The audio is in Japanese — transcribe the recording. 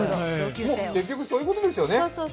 結局そういうことですよね。